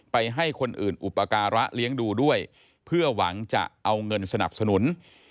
ให้คนอื่นอุปการะเลี้ยงดูด้วยเพื่อหวังจะเอาเงินสนับสนุน